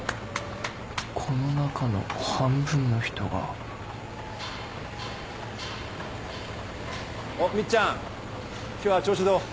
この中の半分の人がおっみっちゃん今日は調子どう？